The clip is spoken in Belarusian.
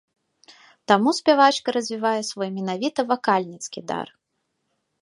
Таму спявачка развівае свой менавіта выканальніцкі дар.